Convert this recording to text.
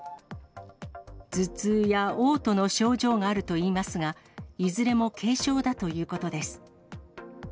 頭痛やおう吐の症状があるといいますが、いずれも軽症だということです。